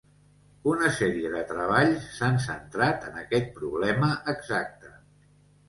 Una sèrie de treballs s"han centrat en aquest problema exacte.